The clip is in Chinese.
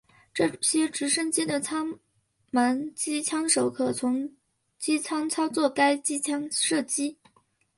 这些直升机的舱门机枪手可从机舱操作该机枪射击。